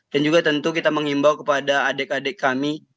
dan juga tentu kita mengimbau kepada adik adik kami